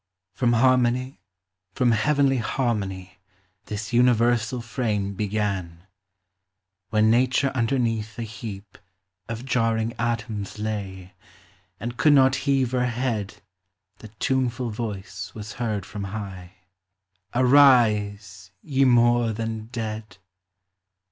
From harmony, from heavenly harmony, This universal frame began ; When Nature underneath a heap Of jarring atoms lay, And could not heave her head THE ARTS. 365 The tuneful voice was heard from high, Arise, ye more than dead